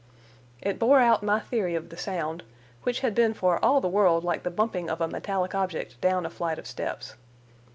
It bore out my theory of the sound, which had been for all the world like the bumping of a metallic object down a flight of steps.